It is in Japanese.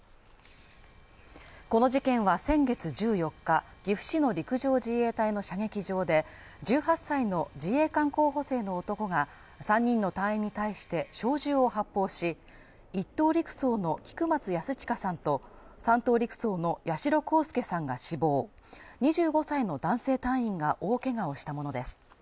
この事件は先月１４日、岐阜市の陸上自衛隊の射撃場で１８歳の自衛官候補生の男が３人の隊員に対して小銃を発砲し、一等陸曹の菊松安親さんと三等陸曹の八代航佑さんが死亡、２５歳の男性隊員が大怪我をしたものです。